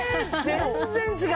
全然違う。